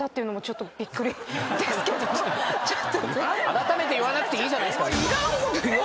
あらためて言わなくていいじゃないすか！